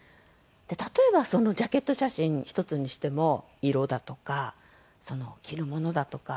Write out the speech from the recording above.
例えばジャケット写真１つにしても色だとか着るものだとか